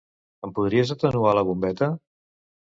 Em podries atenuar la bombeta?